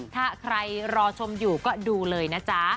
ถ้าใครรอชมอยู่ก็ดูเลยนะจ๊ะ